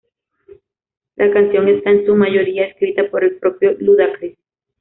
La canción está en su mayoría escrita por el propio Ludacris.